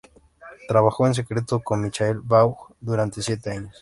Trabajó en secreto con Michael Vaughn durante siete años.